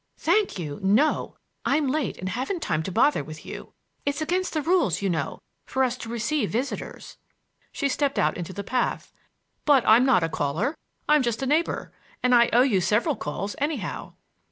"Thank you, no! I'm late and haven't time to bother with you. It's against the rules, you know, for us to receive visitors." She stepped out into the path. "But I'm not a caller. I'm just a neighbor. And I owe you several calls, anyhow."